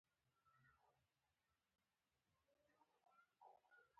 د الماسې څاڅکو مهین ځنځیرونه یې